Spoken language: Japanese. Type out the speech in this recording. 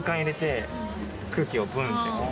空気をブンって。